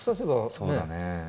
そうだね。